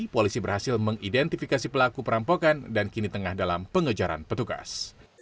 polisi berhasil mengidentifikasi pelaku perampokan dan kini tengah dalam pengejaran petugas